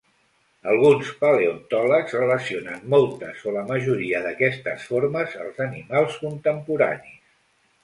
Alguns paleontòlegs relacionen moltes o la majoria d'aquestes formes als animals contemporànis.